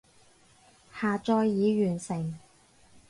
下載已完成